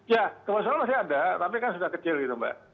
ya gempa susulan masih ada tapi kan sudah kecil gitu mbak